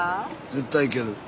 絶対いける。